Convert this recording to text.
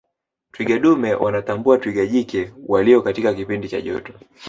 twiga dume wanatambua twiga jike waliyo katika kipindi cha joto